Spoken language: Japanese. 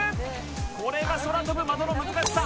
これが空飛ぶ的の難しさ。